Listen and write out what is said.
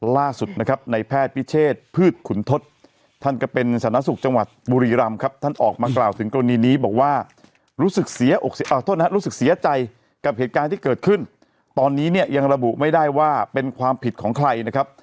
ล่าสุดนะครับในแพทย์พิเชษพืชขุนทศท่านก็เป็นสาธารณสุขจังหวัดบุรีรำครับท่านออกมากล่าวถึงกรณีนี้บอกว่ารู้สึกเสียอกรู้สึกเสียใจกับเหตุการณ์ที่เกิดขึ้นตอนนี้เนี่ยยังระบุไม่ได้ว่าเป็นความผิดของใครนะครับ